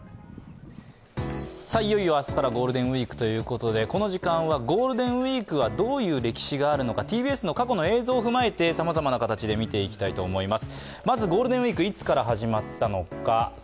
いよいよ明日からゴールデンウイークということでこの時間はゴールデンウイークはどういう歴史があるのか、ＴＢＳの過去の映像を踏まえてさまざまな形で見ていきたいと思います。